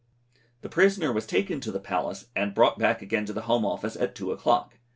The prisoner was taken to the Palace, and brought back again to the Home Office at two o'clock.